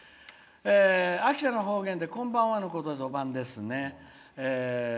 「秋田の方言で、こんばんはのことを、おばんですね。